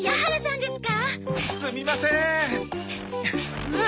すみません。